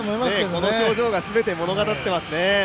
この表情が全てを物語っていますね。